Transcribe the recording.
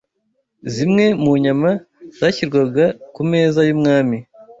Zimwe mu nyama zashyirwaga ku meza y’umwami